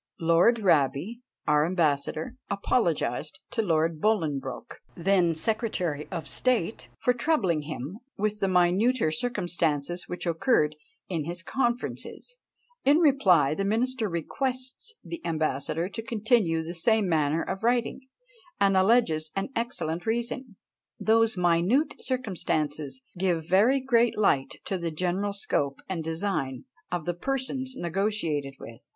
Lord Raby, our ambassador, apologised to Lord Bolingbroke, then secretary of state, for troubling him with the minuter circumstances which occurred in his conferences; in reply, the minister requests the ambassador to continue the same manner of writing, and alleges an excellent reason: "Those minute circumstances give very great light to the general scope and design of the persons negotiated with.